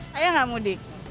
sayang gak mudik